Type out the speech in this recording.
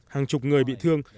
hàng chục người bị thương